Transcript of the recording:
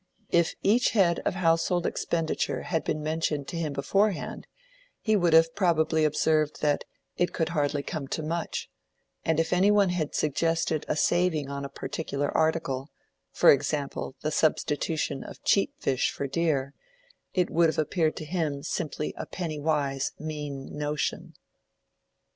If each head of household expenditure had been mentioned to him beforehand, he would have probably observed that "it could hardly come to much," and if any one had suggested a saving on a particular article—for example, the substitution of cheap fish for dear—it would have appeared to him simply a penny wise, mean notion.